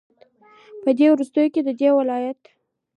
په دې وروستيو كې ددې ولايت